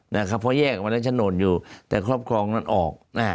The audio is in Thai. เพราะแยกออกมาได้โฉนดอยู่แต่ครอบครองนั้นออก